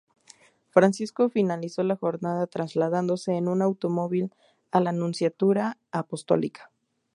Francisco finalizó la jornada trasladándose en automóvil a la Nunciatura Apostólica.